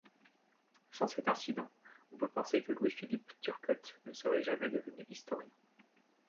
Sans cet incident, on peut penser que Louis-Philippe Turcotte ne serait jamais devenu historien.